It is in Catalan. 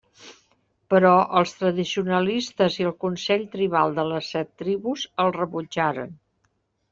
Però, els tradicionalistes i el Consell Tribal de les Set Tribus el rebutjaren.